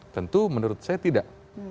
tentu menurut saya tidak